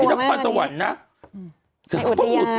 พี่นักความสวรรค์นะ